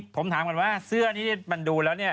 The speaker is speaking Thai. ผมถามก่อนว่าเสื้อนี้มันดูแล้วเนี่ย